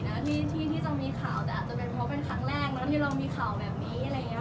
ไม่ปกตินะที่จะมีข่าวแต่อาจจะเป็นเพราะเป็นครั้งแรกนะที่เรามีข่าวแบบนี้